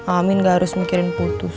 amin gak harus mikirin putus